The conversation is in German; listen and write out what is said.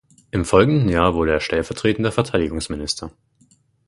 Im folgenden Jahr wurde er stellvertretender Verteidigungsminister.